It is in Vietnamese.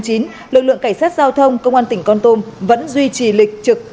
công an tỉnh con tôm vẫn duy trì lịch trực